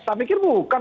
saya pikir bukan